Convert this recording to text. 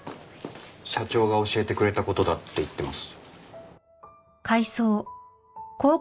「社長が教えてくれた事だ」って言ってます。